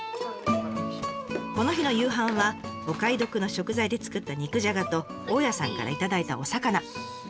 この日の夕飯はお買い得の食材で作った肉じゃがと大家さんから頂いたお魚。